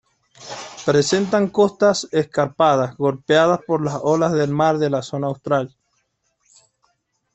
Presentan costas escarpadas, golpeadas por las olas del mar de la Zona Austral.